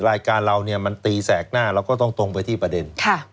รายการเราเนี่ยมันตีแสกหน้าเราก็ต้องตรงไปที่ประเด็น